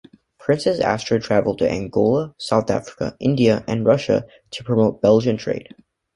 Princess Astrid travelled to Angola, South Africa, India and Russia to promote Belgian trade.